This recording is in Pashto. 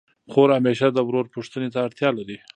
خور همېشه د ورور پوښتني ته اړتیا لري.